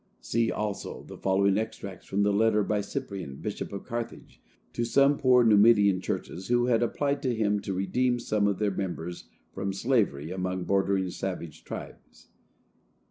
See, also, the following extracts from a letter by Cyprian, Bishop of Carthage, to some poor Numidian churches, who had applied to him to redeem some of their members from slavery among bordering savage tribes.